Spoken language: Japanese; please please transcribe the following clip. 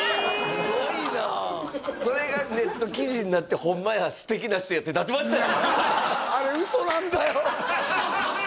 すごいなそれがネット記事になってホンマや素敵な人やってなってましたよ